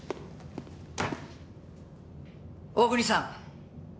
大國さん。